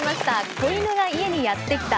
「子犬が家にやってきた！」。